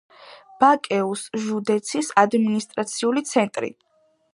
ბაკეუს ჟუდეცის ადმინისტრაციული ცენტრი.